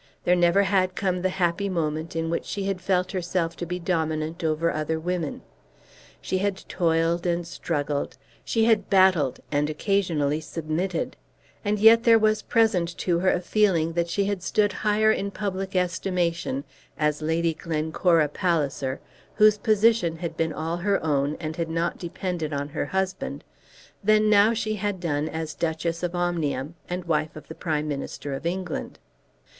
There never had come the happy moment in which she had felt herself to be dominant over other women. She had toiled and struggled, she had battled and occasionally submitted; and yet there was present to her a feeling that she had stood higher in public estimation as Lady Glencora Palliser, whose position had been all her own and had not depended on her husband, than now she had done as Duchess of Omnium, and wife of the Prime Minister of England.